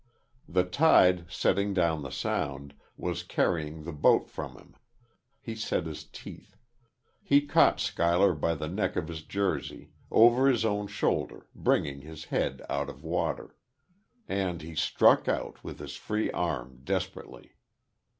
The tide, setting down the sound, was carrying the boat from him; he set his teeth. He caught Schuyler by the neck of his jersey, over his own shoulder, bringing his head out of water. And he struck out, with his free arm, desperately.